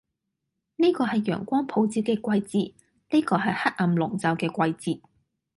呢個係陽光普照嘅季節，呢個係黑暗籠罩嘅季節，